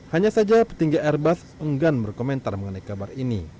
hanya saja petinggi airbus enggan berkomentar mengenai kabar ini